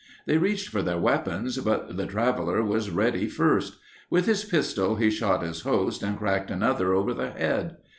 They reached for their weapons, but the traveler was ready first. With his pistol he shot his host and cracked another over the head.